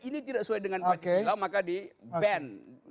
ini tidak sesuai dengan pancasila maka di ban